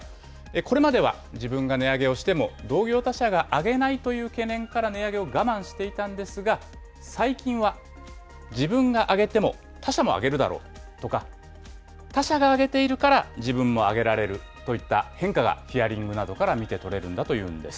これまでは自分が値上げをしても同業他社が上げないという懸念から値上げを我慢していたんですが、最近は自分が上げても他社も上げるだろうとか、他社が上げているから自分も上げられるといった変化がヒアリングなどから見て取れるんだというんです。